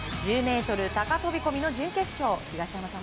１０ｍ高飛込の準決勝。